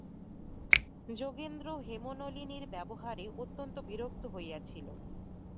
যোগেন্দ্র হেমনলিনীর ব্যবহারে অত্যন্ত বিরক্ত হইয়াছিল।